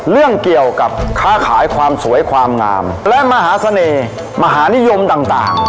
เรื่องเกี่ยวกับค้าขายความสวยความงามและมหาเสน่ห์มหานิยมต่างต่าง